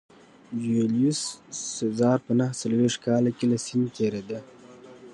جیولیوس سزار په نهه څلوېښت کال کې له سیند تېرېده